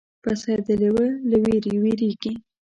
پسه د لیوه له وېرې وېرېږي.